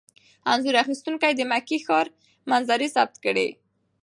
انځور اخیستونکي د مکې ښاري منظرې ثبت کړي.